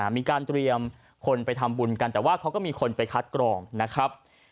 มีการเตรียมคนไปทำบุญกันแต่ว่าเขาก็มีคนไปคัดกรองนะครับ